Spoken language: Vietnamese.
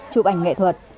chụp ảnh nghệ thuật